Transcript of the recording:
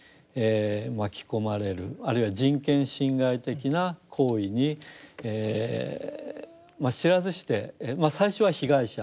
あるいは人権侵害的な行為に知らずして最初は被害者ですよね。